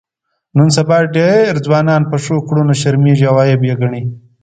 نن سبا ډېر ځوانان په ښو کړنو شرمېږي او عیب یې ګڼي.